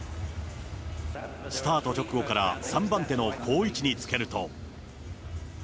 スタート直後から３番手の好位置につけると。